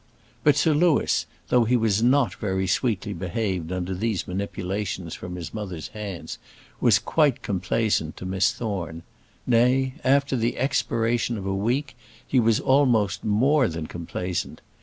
But Sir Louis, though he was not very sweetly behaved under these manipulations from his mother's hands, was quite complaisant to Miss Thorne; nay, after the expiration of a week he was almost more than complaisant.